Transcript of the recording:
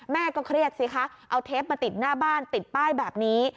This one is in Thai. แม่ก็เครียดสิคะเอาเทปมาติดหน้าบ้านติดป้ายแบบนี้